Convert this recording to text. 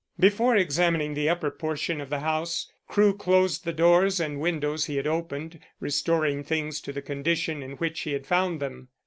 Before examining the upper portion of the house Crewe closed the doors and windows he had opened, restoring things to the condition in which he had found them.